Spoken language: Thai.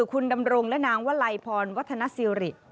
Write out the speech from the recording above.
คุณดำรงและนางวลัยพรวัฒนสิริ